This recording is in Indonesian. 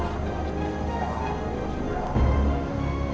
mbak andien dari mana